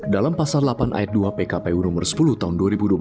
dalam pasar delapan ayat dua pkpu no sepuluh tahun dua ribu dua puluh tiga